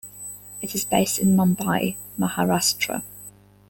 It is based in Mumbai, Maharashtra.